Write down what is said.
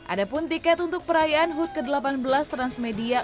ada pun tiket untuk perayaan hut ke delapan belas transmedia